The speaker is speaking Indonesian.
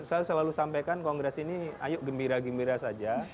saya selalu sampaikan kongres ini ayo gembira gembira saja